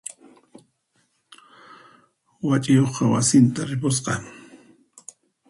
Wach'iyuqqa wasinta ripusqa.